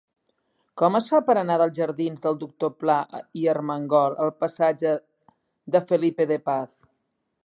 Com es fa per anar dels jardins del Doctor Pla i Armengol al passatge de Felipe de Paz?